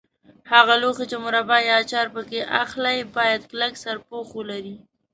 هغه لوښي چې مربا یا اچار پکې اخلئ باید کلک سرپوښ ولري.